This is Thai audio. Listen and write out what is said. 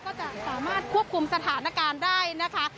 ก็จะสามารถควบคุมสถานการณ์ได้นะคะ